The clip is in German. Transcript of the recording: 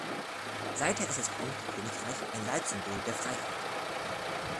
Seither ist das Vereinigte Königreich ein Leitsymbol der Freiheit.